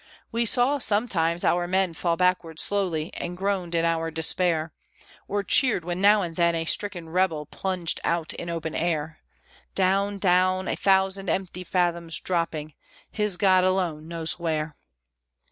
We saw, sometimes, our men fall backward slowly, and groaned in our despair; Or cheered when now and then a stricken rebel plunged out in open air, Down, down, a thousand empty fathoms dropping, his God alone knows where!